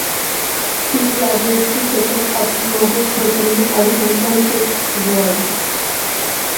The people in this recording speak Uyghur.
تىك ياردىن چۈشۈپ كەتكەن ئاپتوموبىل شوپۇرىنى ئايفون ئون تۆت قۇتقۇزۋالدى.